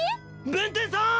弁天さん！